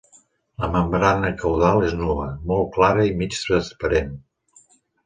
La membrana caudal és nua, molt clara i mig transparent.